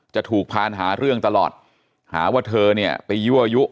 จะถูกพานหาเรื่องตลอดหาว่าเธอเนี่ยไปยั่วยุ